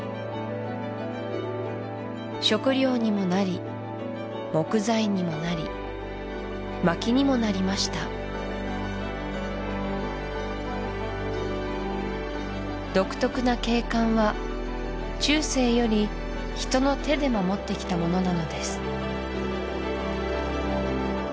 食料にもなり木材にもなり薪にもなりました独特な景観は中世より人の手で守ってきたものなのです